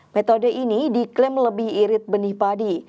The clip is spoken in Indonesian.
metode ini diklaim lebih irit benih padi